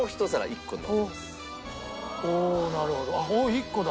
１個だ。